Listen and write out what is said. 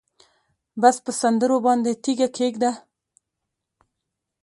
بس په سندرو باندې تیږه کېږده